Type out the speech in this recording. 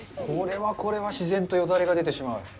これはこれは自然とよだれが出てしまう。